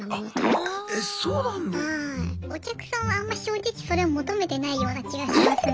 お客さんはあんま正直それを求めてないような気がしますね。